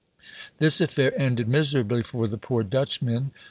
This affair ended miserably for the poor Dutchmen.